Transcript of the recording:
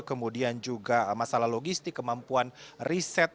kemudian juga masalah logistik kemampuan riset